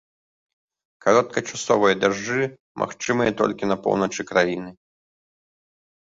Кароткачасовыя дажджы магчымыя толькі на поўначы краіны.